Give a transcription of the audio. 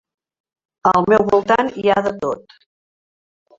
Al meu voltant hi ha de tot.